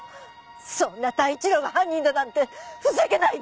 そんな太一郎が犯人だなんてふざけないで！